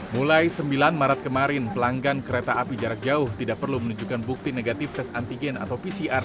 mulai sembilan maret kemarin pelanggan kereta api jarak jauh tidak perlu menunjukkan bukti negatif tes antigen atau pcr